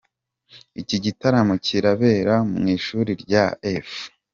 Iki gitaramo kirabera mu ishuri rya F.